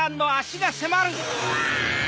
うわ！